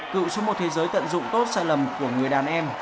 cựu số một thế giới tận dụng tốt sai lầm của người đàn em